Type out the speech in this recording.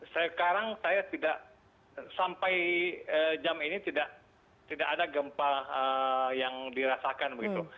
sekarang saya tidak sampai jam ini tidak ada gempa yang dirasakan begitu